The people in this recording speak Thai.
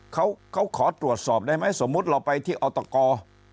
เขาขอตรวจสอบได้ไหมสมมุติเราไปที่อตก